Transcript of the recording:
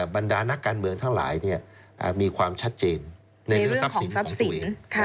บรรดานักการเมืองทั้งหลายมีความชัดเจนในเรื่องทรัพย์สินของตัวเอง